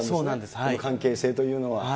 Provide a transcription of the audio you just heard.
その関係性というのは。